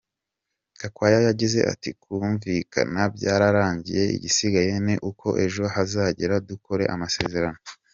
Gakwaya yagize ati "Kumvikana byararangiye, igisigaye ni uko ejo azahagera dukora amasezerano.